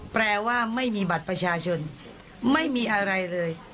แปลว่าไม่มีบัตรประชาชนไม่มีอะไรเลย